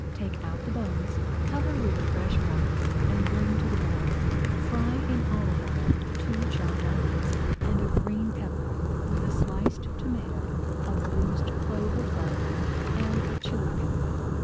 Take out the bones, cover with fresh water, and bring to the boil. Fry in olive oil two chopped onions and a green pepper, with a sliced tomato, a bruised clove of garlic, and a chilli pepper.